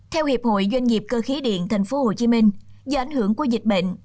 theo hiệp hội doanh nghiệp cơ khí điện thành phố hồ chí minh do ảnh hưởng của dịch bệnh